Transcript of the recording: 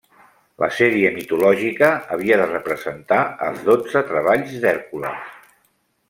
La sèrie mitològica havia de representar Els dotze treballs d'Hèrcules.